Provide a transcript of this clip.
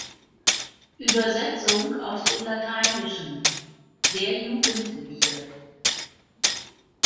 Übersetzung aus dem Lateinischen: "der Jugendliche"